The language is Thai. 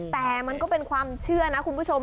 แต่มันก็เป็นความเชื่อนะคุณผู้ชม